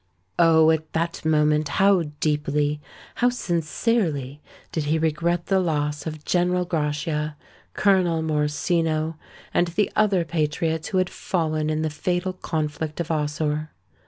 Oh! at that moment how deeply—how sincerely did he regret the loss of General Grachia, Colonel Morosino, and the other patriots who had fallen in the fatal conflict of Ossore!